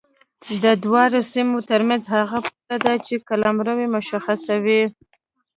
د دواړو سیمو ترمنځ هغه پوله ده چې قلمرو یې مشخصوي.